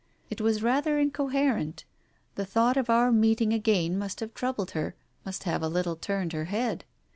It was rather incoher ent. The thought of our meeting again must have troubled her, must have a little turned her head.